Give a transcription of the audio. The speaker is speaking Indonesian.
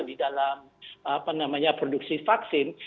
di dalam produksi vaksin